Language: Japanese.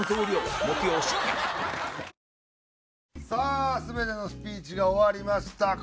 さあ全てのスピーチが終わりました。